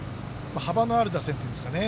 幅のある打線といいますかね。